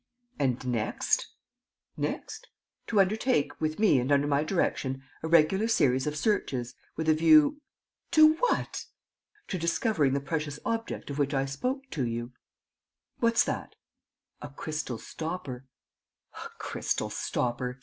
"And next?" "Next? To undertake, with me and under my direction, a regular series of searches with a view...." "To what?" "To discovering the precious object of which I spoke to you." "What's that?" "A crystal stopper." "A crystal stopper....